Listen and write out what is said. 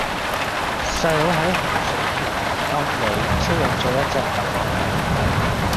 細佬喺洪水橋洪安里收養左一隻流浪狗